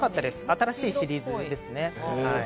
新しいシリーズですね。